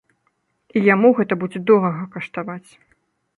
І яму гэта будзе дорага каштаваць.